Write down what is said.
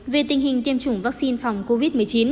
về tình hình tiêm chủng vắc xin phòng covid một mươi chín